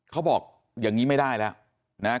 เขาบอกอย่างนี้ไม่ได้แล้ว